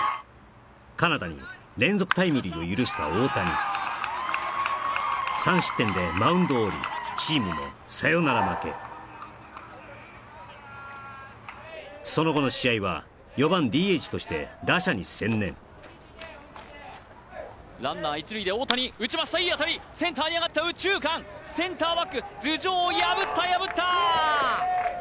カナダに連続タイムリーを許した大谷３失点でマウンドを降りチームもその後の試合は４番ＤＨとして打者に専念ランナー一塁で大谷打ちましたいい当たりセンターに上がった右中間センターバック頭上を破った破った！